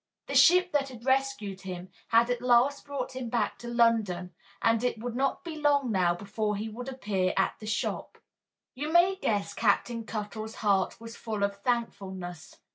The ship that had rescued him had at last brought him back to London, and it would not be long now before he would appear at the shop. You may guess Captain Cuttle's heart was full of thankfulness.